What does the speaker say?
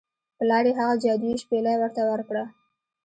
پلار یې هغه جادويي شپیلۍ ورته ورکړه.